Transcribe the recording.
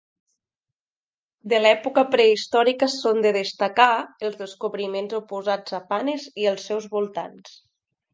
De l'època prehistòrica són de destacar els descobriments oposats a Panes i els seus voltants.